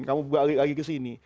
kamu balik lagi ke sini